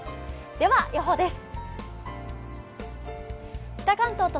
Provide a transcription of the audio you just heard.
では予報です。